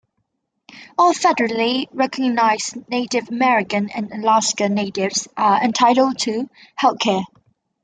All federally recognized Native American and Alaska Natives are entitled to health care.